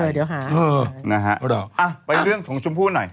เดี๋ยวหา